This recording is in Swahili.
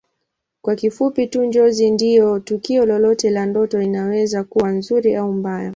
Kwa kifupi tu Njozi ni tukio lolote la ndoto inaweza kuwa nzuri au mbaya